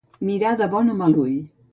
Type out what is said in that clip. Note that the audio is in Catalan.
Mirar de bon o mal ull.